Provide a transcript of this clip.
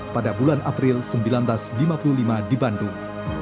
pada bulan april seribu sembilan ratus lima puluh lima di bandung